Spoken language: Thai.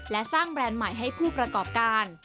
และสร้างแบรนด์ใหม่ให้ผู้ประกอบการ